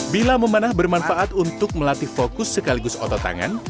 bila memanah bermanfaat untuk melatih fokus sekaligus otot tangan